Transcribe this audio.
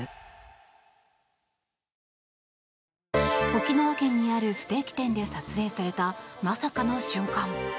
沖縄県にあるステーキ店で撮影されたまさかの瞬間。